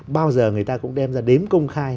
bao giờ người ta cũng đem ra đếm công khai